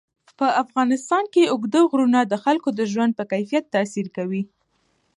په افغانستان کې اوږده غرونه د خلکو د ژوند په کیفیت تاثیر کوي.